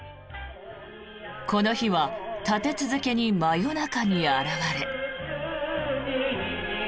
この日は立て続けに真夜中に現れ。